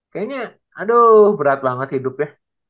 kayaknya aduh berat banget hidupnya